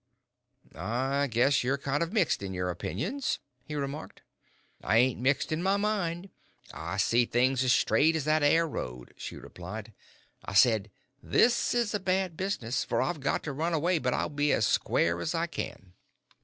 "I guess you're kind of mixed in your opinions," he remarked. "I ain't mixed in my mind. I see things as straight as that air road," she replied. "I said, 'This is a bad business, for I've got to run away, but I'll be as square as I can.'"